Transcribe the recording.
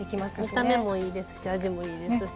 見た目もいいですし味もいいですし。